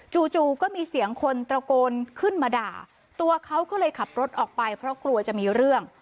จู่ก็มีเสียงคนตระโกนขึ้นมาด่าตัวเขาก็เลยขับรถออกไปเพราะกลัวจะมีเรื่อง